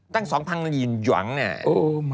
ตั้ง๒๐๐๐เงินอย่างนี้